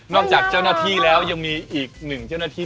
จากเจ้าหน้าที่แล้วยังมีอีกหนึ่งเจ้าหน้าที่